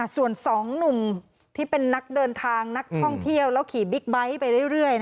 ส่วน๒หนุ่มที่เป็นนักเดินทางนักท่องเที่ยวแล้วขี่บิ๊กไบท์ไปเรื่อย